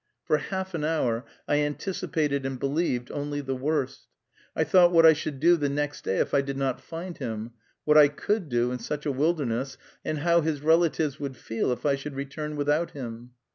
For half an hour I anticipated and believed only the worst. I thought what I should do the next day if I did not find him, what I could do in such a wilderness, and how his relatives would feel, if I should return without him.